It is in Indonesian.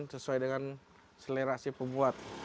sesuai dengan selerasi pembuat